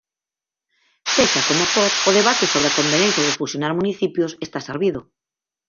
Sexa como for, o debate sobre a conveniencia de fusionar municipios está servido.